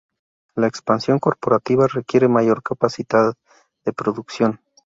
La expansión corporativa requiere mayor capacidad de producción.